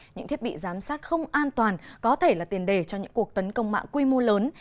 những thiết bị giám sát không an toàn có thể là tiền đề cho những cuộc tấn công mạng quy mô lớn